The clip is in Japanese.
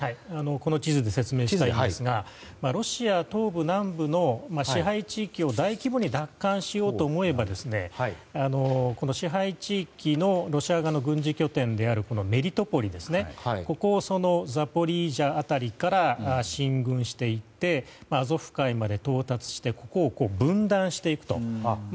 この地図で説明しますとロシア東部、南部の支配地域を大規模に奪還しようと思えば支配地域のロシア側の軍事拠点であるメリトポリをザポリージャ辺りから進軍していってアゾフ海まで到達してここを分断していくと。